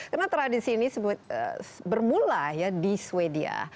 karena tradisi ini bermula di sweden